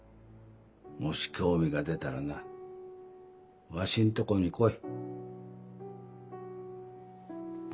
もし興味が出たらなわしんとこに来い。